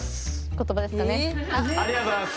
ありがとうございます。